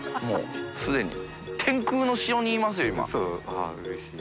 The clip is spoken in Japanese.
あぁうれしい。